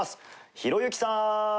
ひろゆきさーん！